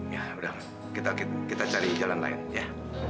ya udah kita cari jalan lain ya